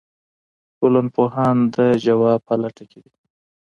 ټولنپوهان د ځواب په لټه کې دي.